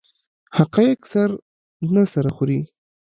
حقایق سر نه سره خوري.